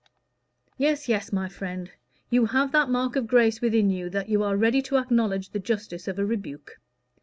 "Yes, yes, my friend, you have that mark of grace within you, that you are ready to acknowledge the justice of a rebuke.